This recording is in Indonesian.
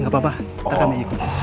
gak apa apa nanti kami ikut